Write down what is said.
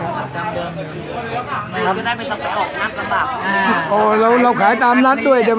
เราได้เป็นต๊อบก่อนัดก็บ้างอ้าวโอ้เราเราขายตามนัดด้วยใช่ไหม